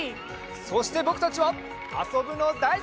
そしてぼくたちはあそぶのだいすき。